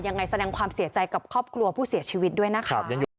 แสดงความเสียใจกับครอบครัวผู้เสียชีวิตด้วยนะคะ